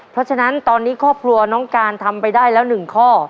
เพราะฉะนั้นตอนนี้ครอบครัวน้องการทำไปได้แล้ว๑ข้อ